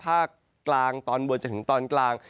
ภาคกลางตอนบนจนถึงตอนกลาง